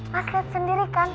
mas lihat sendiri kan